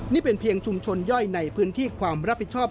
นี่เป็นเพียงชุมชนย่อยในพื้นที่ความรับผิดชอบ